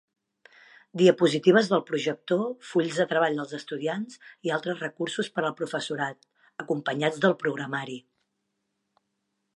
Diapositives del projector, fulls de treball dels estudiants i altres recursos per al professorat acompanyats del programari.